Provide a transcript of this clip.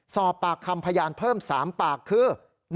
สอบปากคำพยานเพิ่ม๓ปากคือ